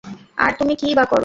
আর তুমি কিইবা করো?